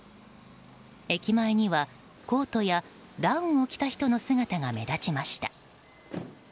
駅前にはコートやダウンを着た人の姿が目立ちました。